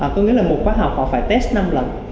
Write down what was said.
có nghĩa là một khóa học họ phải test năm lần